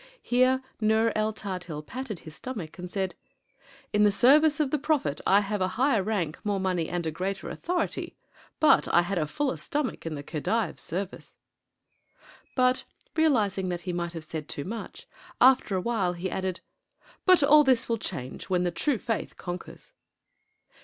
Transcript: Here Nur el Tadhil patted his stomach, and said: "In the service of the prophet I have a higher rank, more money, and a greater authority, but I had a fuller stomach in the Khedive's service." But, realizing that he might have said too much, after a while he added: "But all this will change when the true faith conquers."